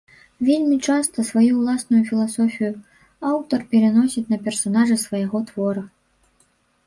Вельмі часта сваю ўласную філасофію аўтар пераносіць на персанажы свайго твора.